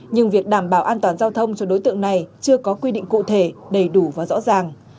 nhưng việc đảm bảo an toàn giao thông cho đối tượng này chưa có quy định cụ thể đầy đủ và rõ ràng